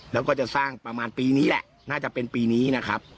แล้วก็จะสร้างประมาณปีนี้แหละน่าจะเป็นปีนี้นะครับ